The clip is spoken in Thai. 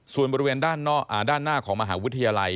ส่วนบริเวณด้านหน้าของมหาวิทยาลัย